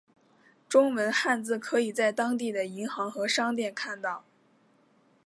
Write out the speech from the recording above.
中文汉字可以在当地的银行和商店看到。